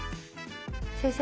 先生。